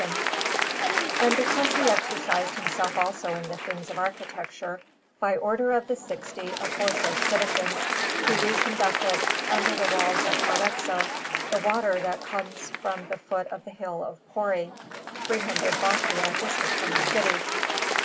Florence: Arte della Lana) Brogi] And because he exercised himself also in the things of architecture, by order of the sixty aforesaid citizens he reconducted under the walls of Arezzo the water that comes from the foot of the hill of Pori, three hundred braccia distant from the city.